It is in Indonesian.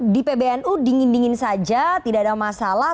di pbnu dingin dingin saja tidak ada masalah